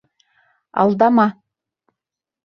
— Алдама!